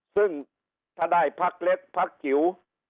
ซึ่งถ้าได้ภักดิ์เล็กภักดิ์หิว